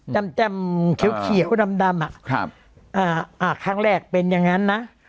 จำเขียวเขียวดำดำอ่ะครับอ่าอ่าครั้งแรกเป็นอย่างนั้นนะ